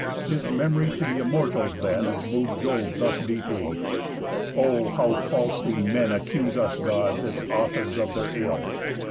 His memory to the Immortals then Mov'd Jove thus deeply: "O how falsely men Accuse us Gods as authors of their ill!